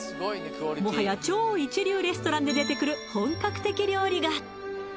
もはや超一流レストランで出てくる本格的料理が！